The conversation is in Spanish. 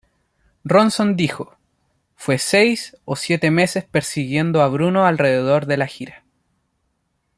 Ronson dijo, "Fue seis o siete meses persiguiendo a Bruno alrededor de la gira.